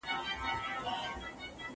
زه به سبا سبزېجات جمع کړم!